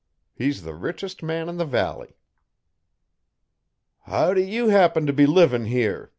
He's the richest man in the valley.' 'How do you happen t' be livin' here?